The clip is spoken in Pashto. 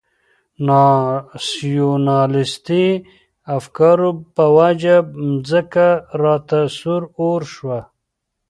ناسیونالیستي افکارو په وجه مځکه راته سور اور شوه.